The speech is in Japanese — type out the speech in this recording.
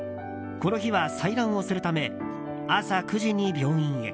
この日は採卵をするため朝９時に病院へ。